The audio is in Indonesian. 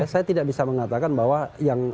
saya tidak bisa mengatakan bahwa yang